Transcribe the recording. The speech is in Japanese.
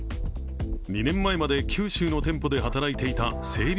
２年前まで九州の店舗で働いていた整備